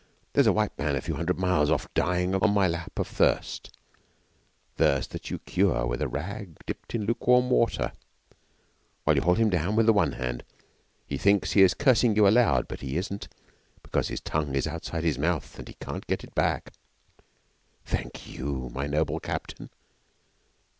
There's a white man a few hundred miles off, dying on my lap of thirst thirst that you cure with a rag dipped in lukewarm water while you hold him down with the one hand, and he thinks he is cursing you aloud, but he isn't, because his tongue is outside his mouth and he can't get it back. Thank you, my noble captain!'